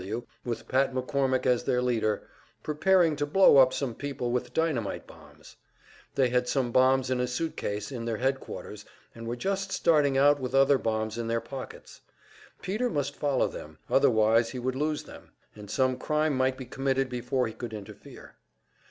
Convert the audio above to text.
W. W., with Pat McCormick as their leader, preparing to blow up some people with dynamite bombs. They had some bombs in a suit case in their headquarters, and were just starting out with other bombs in their pockets. Peter must follow them, otherwise he would lose them, and some crime might be committed before he could interfere.